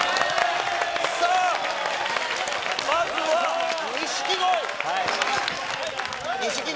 さあ、まずは錦鯉。